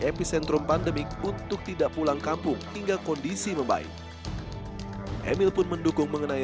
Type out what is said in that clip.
epicentrum pandemik untuk tidak pulang kampung hingga kondisi membaik emil pun mendukung mengenai